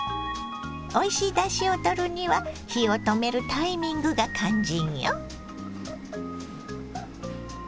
おいしいだしをとるには火を止めるタイミングが肝心よ。